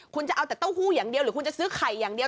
คุณจะเอาแต่เต้าหู้อย่างเดียวหรือคุณจะซื้อไข่อย่างเดียว